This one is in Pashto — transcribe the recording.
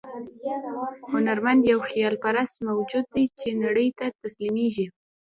هنرمند یو خیال پرست موجود دی چې نړۍ ته تسلیمېږي.